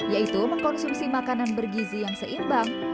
yaitu mengkonsumsi makanan bergizi yang seimbang